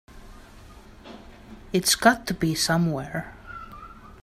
It's got to be somewhere.